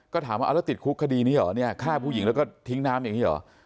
ก็ถามว่าเอาแล้วติดคุกคดีนี้เหรอเนี่ยฆ่าผู้หญิงแล้วก็ทิ้งน้ำอย่างนี้เหรอ